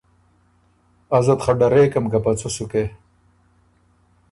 ازه ت خه ډرېکم که په څۀ سُکې۔